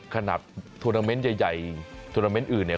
ขนาดทวนาเมนต์ใหญ่ทวนาเมนต์อื่นเนี่ย